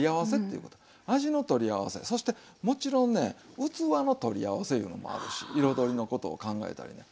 味の取り合わせそしてもちろんね器の取り合わせいうのもあるし彩りのことを考えたりね。